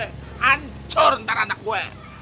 hancur ntar anak gue